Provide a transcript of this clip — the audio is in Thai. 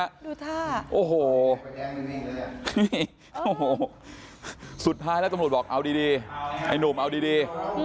ดูดท่าโอ้โหสุดท้ายแล้วตำรวจบอกเอาดีไอนุ่มเอาดี